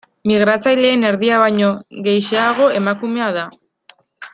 Migratzaileen erdia baino gehixeago emakumea da.